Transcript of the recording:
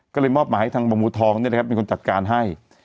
ก็เลยมอบมาให้ทางบังบุทองเนี่ยแหละครับเป็นคนจัดการให้